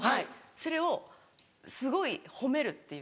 それをすごい褒めるっていう。